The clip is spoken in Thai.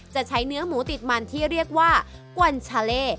จะใช้เนื้อหมูติดมันที่เรียกว่ากวนชาเล่